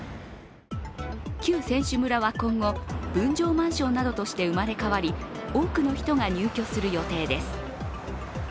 旧選手村は今後分譲マンションなどとして生まれ変わり多くの人が入居する予定です。